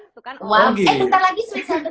waw eh bentar lagi suisa tenggim